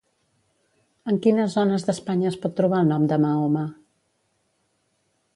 En quines zones d'Espanya es pot trobar el nom de Mahoma?